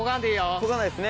こがないですね。